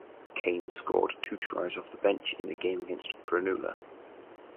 Caine scored two tries off the bench in the game against Cronulla.